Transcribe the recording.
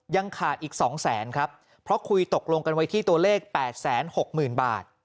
ยังขาดอีก๒แสนครับเพราะคุยตกลงกันไว้ที่ตัวเลข๘๖๐๐๐บาท